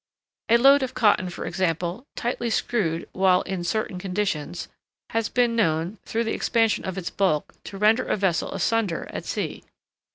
A load of cotton, for example, tightly screwed while in certain conditions, has been known, through the expansion of its bulk, to rend a vessel asunder at sea.